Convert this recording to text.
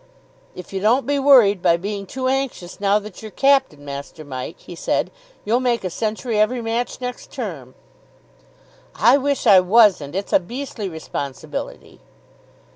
"If you don't be worried by being too anxious now that you're captain, Master Mike," he said, "you'll make a century every match next term." "I wish I wasn't; it's a beastly responsibility."